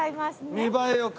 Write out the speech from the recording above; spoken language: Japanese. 見栄え良く。